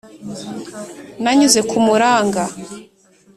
Nanyuze ku muranga ,